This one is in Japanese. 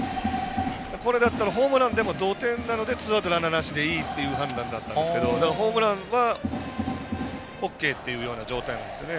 これだったらホームランでも同点なのでツーアウト、ランナーなしでいいという判断だったんですけどだから、ホームランはＯＫというような状態なんですよね。